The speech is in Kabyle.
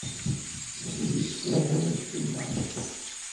Ur yeṣliḥ i wacemma.